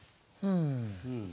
うん。